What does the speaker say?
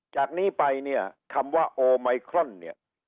จากนี้ไปเนี่ยคำว่าโอไมครอนเนี่ย